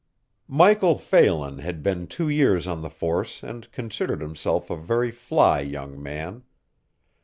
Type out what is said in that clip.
Michael Phelan had been two years on the force and considered himself a very fly young man.